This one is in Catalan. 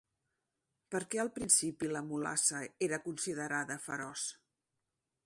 Per què al principi la Mulassa era considerada feroç?